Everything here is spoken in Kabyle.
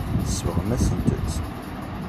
Tsebɣem-asent-tt.